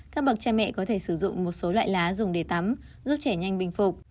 các bậc cha mẹ có thể sử dụng một số loại lá dùng để tắm giúp trẻ nhanh bình phục